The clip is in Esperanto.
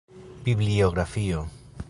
Bibliografio.